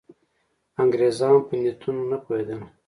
انګرېزان په نیتونو نه پوهېدل.